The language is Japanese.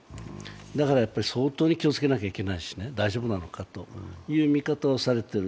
だから相当に気をつけなきゃいけないし大丈夫なのかという見方をされている。